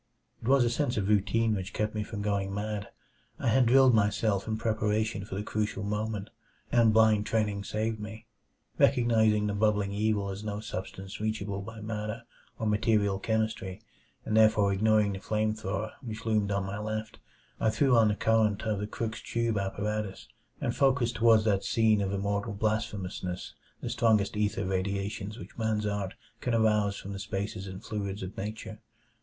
It was a sense of routine which kept me from going mad. I had drilled myself in preparation for the crucial moment, and blind training saved me. Recognizing the bubbling evil as no substance reachable by matter or material chemistry, and therefore ignoring the flame thrower which loomed on my left, I threw on the current of the Crookes tube apparatus, and focussed toward that scene of immortal blasphemousness the strongest ether radiations which man's art can arouse from the spaces and fluids of nature.